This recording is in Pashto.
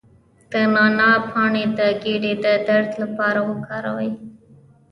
د نعناع پاڼې د ګیډې د درد لپاره وکاروئ